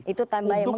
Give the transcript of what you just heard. itu time buying